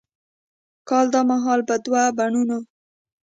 کال دا مهال به دوه بڼوڼه،